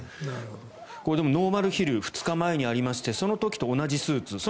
これはノーマルヒルが２日前にありましてその時と同じスーツ。